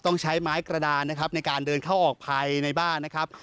ต้องใช้ไม้กระดานนะครับในการเดินเข้าออกภายในบ้านนะครับ